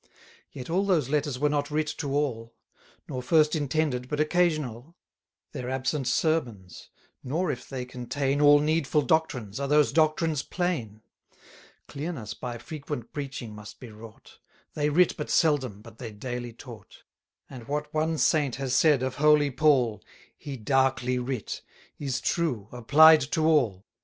Yet all those letters were not writ to all; Nor first intended but occasional, Their absent sermons; nor if they contain 340 All needful doctrines, are those doctrines plain. Clearness by frequent preaching must be wrought: They writ but seldom, but they daily taught. And what one saint has said of holy Paul, "He darkly writ," is true, applied to all.